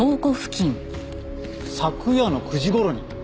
昨夜の９時頃に？